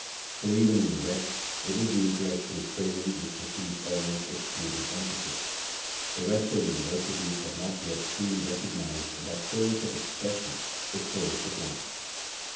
For, even in the West, it is the intellectual training which receives almost exclusive emphasis. The Western universities have not yet truly recognised that fulness of expression is fulness of life.